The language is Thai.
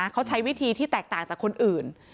เขาใช้วิธีที่แตกต่างจากคนอื่น